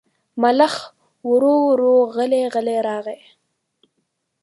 ملخ ورو ورو غلی غلی راغی.